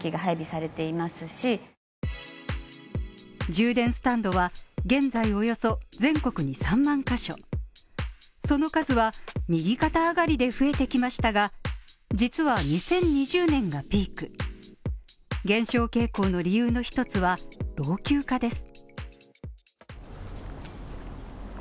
充電スタンドは現在およそ全国に３万ヶ所、その数は右肩上がりで増えてきましたが、実は２０２０年がピーク減少傾向の理由の一つは老朽化です。